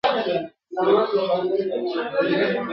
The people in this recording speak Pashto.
پرانيزي او الهام ورکوي ..